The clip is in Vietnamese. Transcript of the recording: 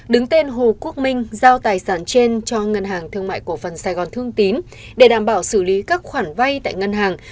đứng tên hồ quốc minh giao tài sản trên cho ngân hàng thương mại cổ phần sài gòn thương tín để đảm bảo xử lý các khoản vay tại ngân hàng